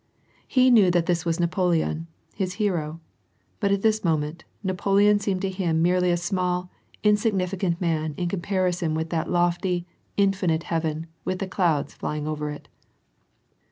He knew that this was Napoleon, hi hero ; but at this moment. Napoleon seemed to him merely small, insignificant man in comparison with that lofty, infinity heaven, with the clouds flying over it.